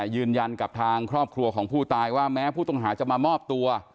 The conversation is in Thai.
ยืนยันกับทางครอบครัวของผู้ตายว่าแม้ผู้ต้องหาจะมามอบตัว